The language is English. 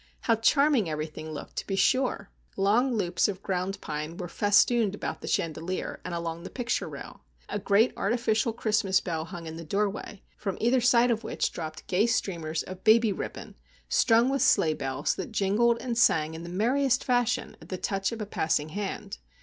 How charming everything looked, to be sure! Long loops of ground pine were festooned about the chandelier, and along the picture rail. A great artificial Christmas bell hung in the doorway, from either side of which dropped gay streamers of baby ribbon strung with sleigh bells, that jingled and sang in the merriest fashion at the touch of a passing hand.